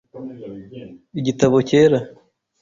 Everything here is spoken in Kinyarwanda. Igitabo cyera .